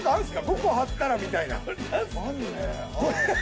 ５個貼ったらみたいな。